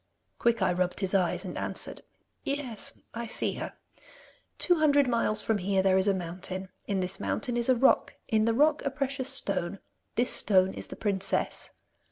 Quickeye rubbed his eyes and answered: 'Yes, I see her. Two hundred miles from here there is a mountain. In this mountain is a rock. In the rock, a precious stone. This stone is the princess.